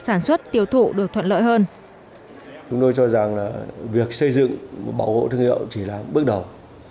sản xuất tiêu thụ được thuận lợi hơn chúng tôi cho rằng là việc xây dựng bảo hộ thương hiệu chỉ là bước đầu